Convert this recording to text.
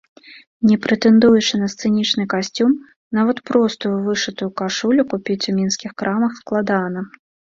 Не прэтэндуючы на сцэнічны касцюм, нават простую вышытую кашулю купіць у мінскіх крамах складана.